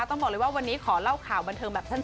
ต้องบอกเลยว่าวันนี้ขอเล่าข่าวบันเทิงแบบสั้น